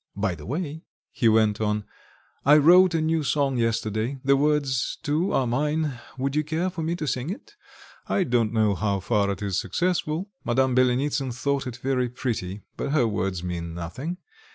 By the way," he went on, "I wrote a new song yesterday, the words too are mine, would you care for me to sing it? I don't know how far it is successful. Madame Byelenitsin thought it very pretty, but her words mean nothing.